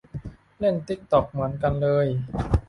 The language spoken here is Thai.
เล่นติ๊กต็อกเหมือนกันเลย